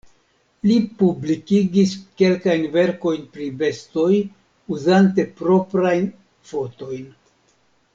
Li publikigis kelkajn verkojn pri bestoj uzante proprajn fotojn.